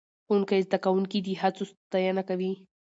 ښوونکی زده کوونکي د هڅو ستاینه کوي